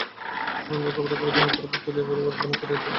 অন্নদাবাবু খবরের কাগজ মুখের উপর তুলিয়া পড়িবার ভান করিয়া ভাবিতে লাগিলেন।